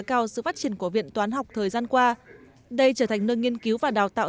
cao sự phát triển của viện toán học thời gian qua đây trở thành nơi nghiên cứu và đào tạo